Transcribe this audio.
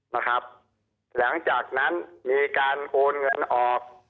หลังจากนั้นมีการโอนเงินออก